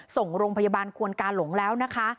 ส่งโรงพยาบาลควนกาหลงแล้วนะคะ